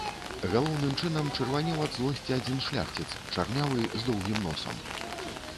Галоўным чынам чырванеў ад злосці адзін шляхціц, чарнявы, з доўгім носам.